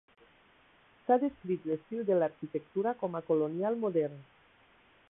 S'ha descrit l'estil de l'arquitectura com a Colonial modern.